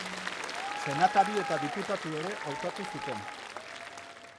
Senatari eta diputatu ere hautatu zuten.